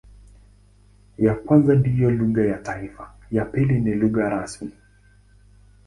Ya kwanza ndiyo lugha ya taifa, ya pili ni pia lugha rasmi.